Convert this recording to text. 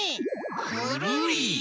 くるり！